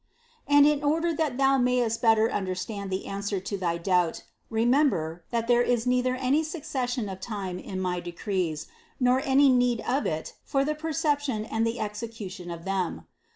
74. "And in order that thou mayest better understand the answer to thy doubt, remember, that there is neither any succession of time in my decrees, nor any need of it for the perception and the execution of them.